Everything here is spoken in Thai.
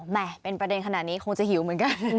แม่เป็นประเด็นขนาดนี้คงจะหิวเหมือนกัน